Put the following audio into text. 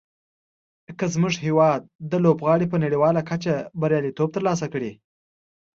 که زموږ هېواد لوبغاړي په نړیواله کچه بریالیتوب تر لاسه کړي.